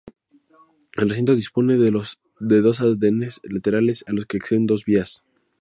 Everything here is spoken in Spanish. El recinto dispone de dos andenes laterales a los que acceden dos vías.